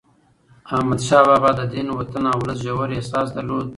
احمدشاه بابا د دین، وطن او ولس ژور احساس درلود.